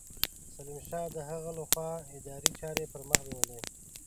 سلیم شاه د هغه له خوا اداري چارې پرمخ بېولې.